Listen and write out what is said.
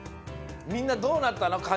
みんなどうなったの？